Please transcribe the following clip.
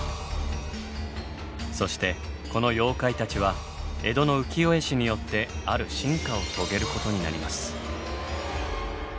そしてこの妖怪たちは江戸の浮世絵師によってある進化を遂げることになります。